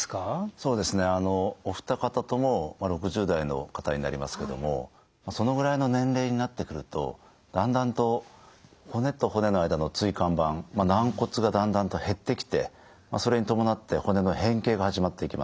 そうですねお二方とも６０代の方になりますけどもそのぐらいの年齢になってくるとだんだんと骨と骨の間の椎間板軟骨がだんだんと減ってきてそれに伴って骨の変形が始まってきます。